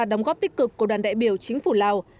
đóng góp tích cực của đoàn đại biểu chính phủ lào